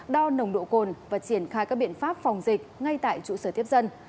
đo nồng độ cồn và triển khai các biện pháp phòng dịch ngay tại trụ sở tiếp dân